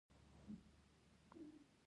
د افغانستان ډیری خلک له غنمو ګټه اخلي.